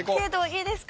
いいですか？